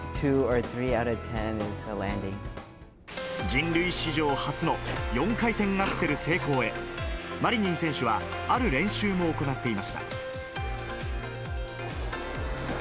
人類史上初の４回転アクセル成功へ、マリニン選手は、ある練習も行っていました。